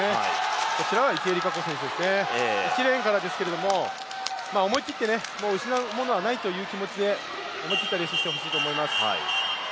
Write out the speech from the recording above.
こちらは池江璃花子選手ですね、１レーンからですけども、失うものはないという気持ちで思い切ったレースしてほしいです。